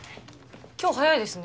今日早いですね。